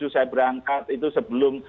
saya berangkat itu sebelum